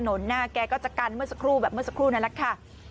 นหน้าแกก็จะกันเมื่อสักครู่แบบเมื่อสักครู่นั่นแหละค่ะ